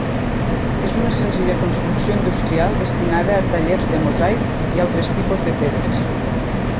És una senzilla construcció industrial destinada a taller de mosaics i altres tipus de pedres.